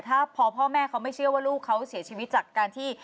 ถ้าพอพ่อแม่เขาไม่เชื่อว่าลูกเขาเสียชีวิตจากการที่